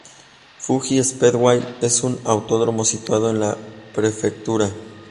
Fuji Speedway es un autódromo situado en la prefectura.